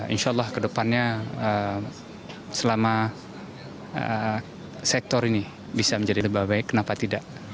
insya allah kedepannya selama sektor ini bisa menjadi lebih baik kenapa tidak